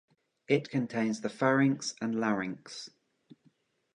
It contains the pharynx and larynx.